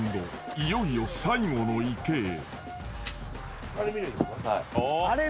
いよいよ最後の池へ］